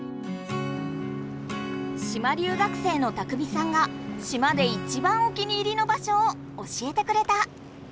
島留学生の拓海さんが島でいちばんお気に入りの場所を教えてくれた。